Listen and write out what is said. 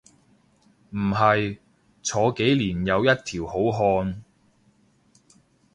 唔係，坐幾年又一條好漢